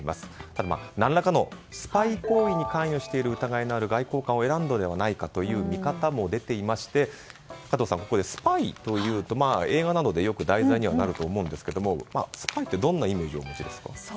ただ、何らかのスパイ行為に関与している疑いのある外交官を選んだのではないかという見方も出ていまして加藤さん、スパイというと映画などで、よく題材にはなると思うんですけれどもスパイってどんなイメージをお持ちですか？